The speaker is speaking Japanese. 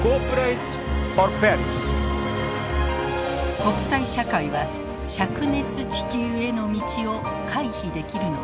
国際社会は灼熱地球への道を回避できるのか。